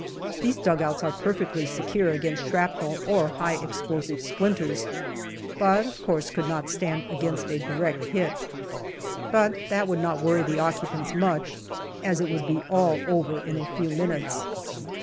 These dugouts are perfectly secure against shrapnel or high explosive splinters, but, of course, could not stand against a direct hit. But that would not worry the occupants much, as it would be all over in a few minutes.